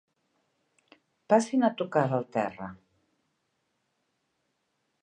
Passin a tocar del terra.